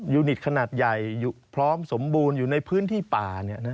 นิตขนาดใหญ่พร้อมสมบูรณ์อยู่ในพื้นที่ป่า